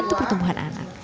untuk pertumbuhan anak